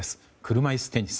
車いすテニス